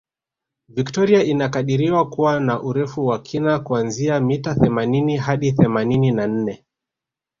Victoria inakadiriwa kuwa na Urefu wa kina kuanzia mita themanini hadi themanini na nne